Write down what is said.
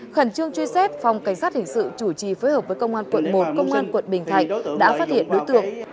khẩn trương truy xét phòng cảnh sát hình sự chủ trì phối hợp với công an quận một công an quận bình thạnh đã phát hiện đối tượng